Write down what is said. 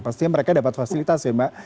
pastinya mereka dapat fasilitas ya mbak